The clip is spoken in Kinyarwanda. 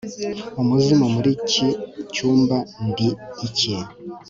umuzimu muri iki cyumba Ndi iki